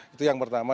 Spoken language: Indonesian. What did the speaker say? itu yang pertama